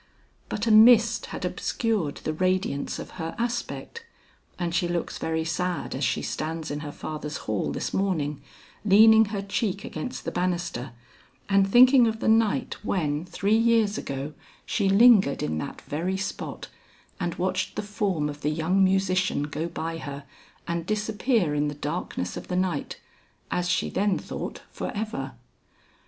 But a mist had obscured the radiance of her aspect, and she looks very sad as she stands in her father's hall this morning, leaning her cheek against the banister, and thinking of the night when three years ago, she lingered in that very spot, and watched the form of the young musician go by her and disappear in the darkness of the night, as she then thought forever.